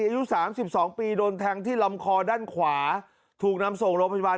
อายุสามสิบสองปีโดนแทงที่ลำคอด้านขวาถูกนำส่งโรงพยาบาล